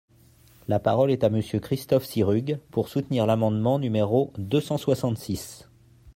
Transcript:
La parole est à Monsieur Christophe Sirugue, pour soutenir l’amendement numéro deux cent soixante-six.